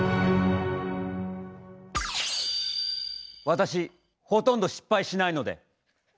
私ほとんど失敗しないので。